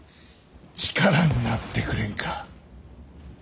力になってくれんか。